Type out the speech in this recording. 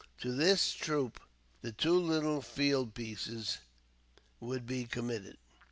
To this troop, the two little field pieces would be committed.